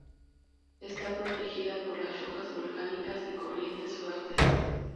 Está protegida por las rocas volcánicas de corrientes fuertes.